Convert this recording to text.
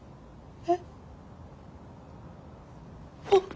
えっ